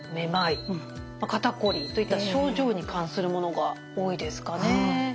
「肩こり」といった症状に関するものが多いですかね？